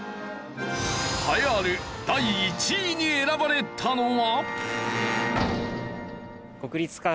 栄えある第１位に選ばれたのは。